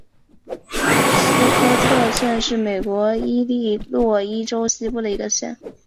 斯科特县是美国伊利诺伊州西部的一个县。